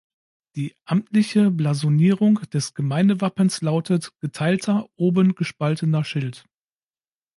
Die amtliche Blasonierung des Gemeindewappens lautet: "„Geteilter, oben gespaltener Schild.